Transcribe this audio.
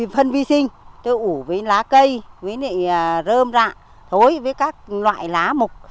phân vi sinh tôi ủ với lá cây với rơm rạ thối với các loại lá mục